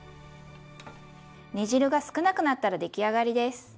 煮汁が少なくなったら出来上がりです。